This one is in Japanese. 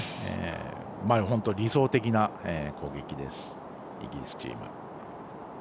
本当に理想的な攻撃です、イギリスチーム。